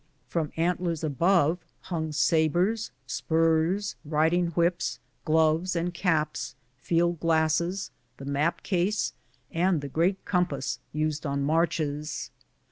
From antlers above hung sabres, spurs, riding whips, gloves and caps, field glasses, the map case, and the great compass used on marches.